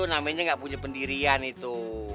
itu namanya gak punya pendirian itu